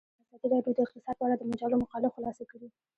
ازادي راډیو د اقتصاد په اړه د مجلو مقالو خلاصه کړې.